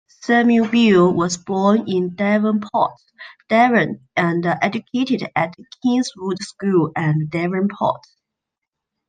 Samuel Beal was born in Devonport, Devon, and educated at Kingswood School and Devonport.